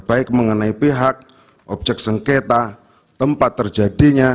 baik mengenai pihak objek sengketa tempat terjadinya